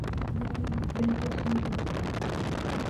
No eran imprentas muy destacadas.